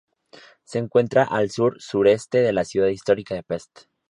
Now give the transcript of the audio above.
Se encuentra al sur-sureste de la ciudad histórica de Pest.